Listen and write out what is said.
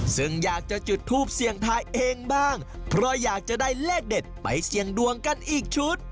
ซึ่งอยากจะจุดทูปเสี่ยงทายเองบ้างเพราะอยากจะได้เลขเด็ดไปเสี่ยงดวงกันอีกชุด